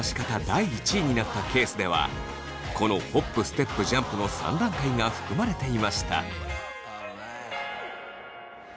第１位になったケースではこのホップステップジャンプの３段階が含まれていました。